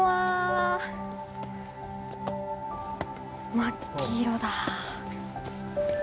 真っ黄色だ。